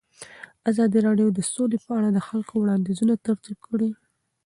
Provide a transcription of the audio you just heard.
ازادي راډیو د سوله په اړه د خلکو وړاندیزونه ترتیب کړي.